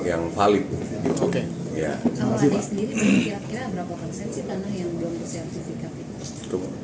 kalau anda sendiri berarti kira kira berapa persen sih tanah yang belum bersiap sisi kapit